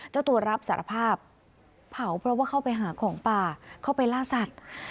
เจ้าตัวรับสารภาพเผาเพราะว่าเข้าไปหาของป่าเข้าไปล่าสัตว์